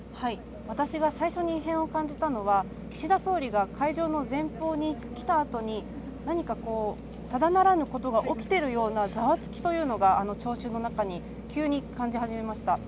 私が最初に異変を感じたのは、岸田総理が会場の前方に来たあとに何か、ただならぬことが起きているようなざわつきというのを急に聴衆の中に感じました。